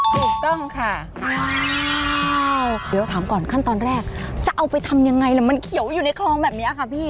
ถูกต้องค่ะเดี๋ยวถามก่อนขั้นตอนแรกจะเอาไปทำยังไงล่ะมันเขียวอยู่ในคลองแบบนี้ค่ะพี่